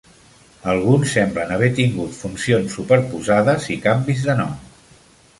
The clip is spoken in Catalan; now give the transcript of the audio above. Alguns semblen haver tingut funcions superposades i canvis de nom.